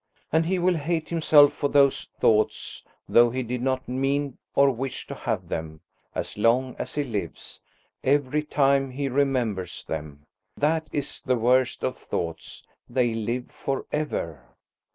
And he will hate himself for those thoughts, though he did not mean or wish to have them, as long as he lives, every time he remembers them. That is the worst of thoughts, they live for ever.